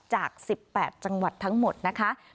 จาก๑๘จังหวัดทั้งหมดนะคะ